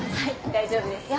大丈夫ですよ。